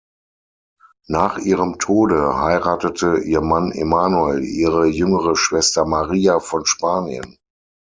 Nach ihrem Tode heiratete ihr Mann Emanuel ihre jüngere Schwester Maria von Spanien.